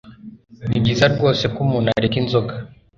Ni byiza rwose ko umuntu areka inzoga